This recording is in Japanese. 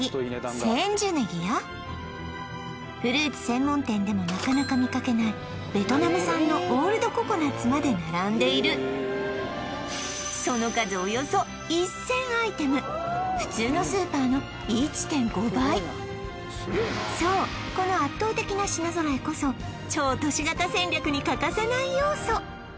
長ネギフルーツ専門店でもなかなか見かけないベトナム産のオールドココナッツまで並んでいるその数普通のスーパーの１．５倍そうこの圧倒的な品揃えこそ超都市型戦略に欠かせない要素